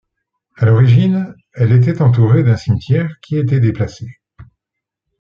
À l'origine, elle était entourée d'un cimetière qui a été déplacé.